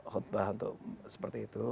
khutbah untuk seperti itu